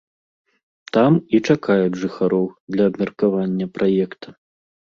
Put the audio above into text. Там і чакаюць жыхароў для абмеркавання праекта.